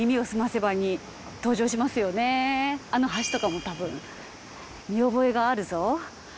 あの橋とかもたぶん見覚えがあるぞ。